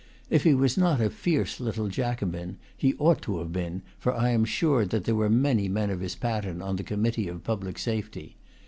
If he was not a fierce little Jacobin, he ought to have been, for I am sure there were many men of his pattern on the Committee of Public Safety.